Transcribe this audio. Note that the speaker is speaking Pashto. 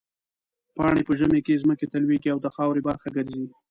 پاڼې په ژمي کې ځمکې ته لوېږي او د خاورې برخه ګرځي.